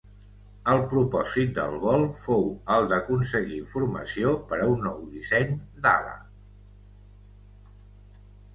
El propòsit del vol fou el d'aconseguir informació per un nou disseny d'ala.